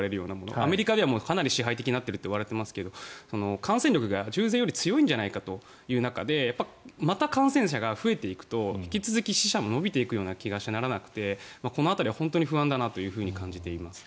アメリカでは、かなり支配的になっているといわれていますが感染力が従前より強いんじゃないかという中でまた感染者が増えていくと引き続き死者も伸びていくような気がしてならなくてこの辺りは不安だなと感じています。